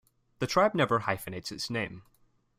The tribe never hyphenates its name.